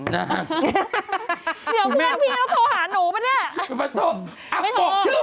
เดี๋ยวเพื่อนพี่ต้องโทรหาหนูปะเนี่ย